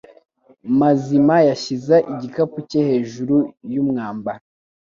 Mazima yashyize igikapu cye hejuru yumwambaro.